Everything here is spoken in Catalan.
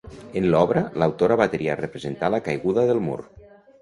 En l'obra, l'autora va triar representar la caiguda del mur.